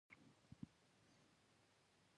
رس د دوبی پخې میوې خوند دی